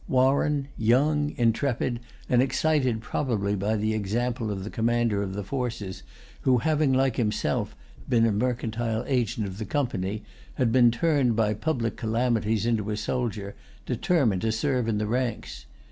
Warren, young, intrepid, and excited probably by the example of the Commander of the Forces, who, having[Pg 121] like himself been a mercantile agent of the Company, had been turned by public calamities into a soldier, determined to serve in the ranks.